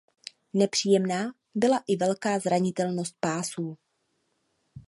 Nepříjemná byla i velká zranitelnost pásů.